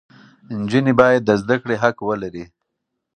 نجونې باید د زده کړې حق ولري.